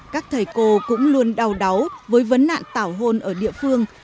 các thầy cô cũng luôn đau đáu với vấn nạn tảo hôn ở địa phương